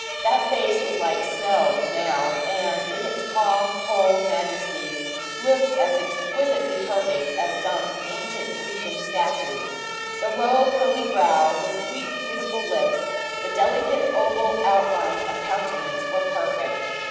That face was like snow, now; and, in its calm, cold majesty, looked as exquisitely perfect as some ancient Grecian statue. The low, pearly brow, the sweet, beautiful lips, the delicate oval outline of countenance, were perfect.